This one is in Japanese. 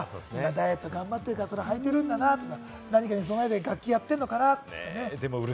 ダイエット頑張ってるから履いているんだなとか、何かに備えて楽器やってるのかな？とかね。